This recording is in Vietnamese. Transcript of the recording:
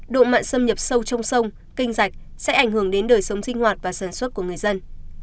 độ mặn xâm nhập sâu trong sông canh rạch sẽ ảnh hưởng đến đời sống sinh hoạt và sản xuất của người dân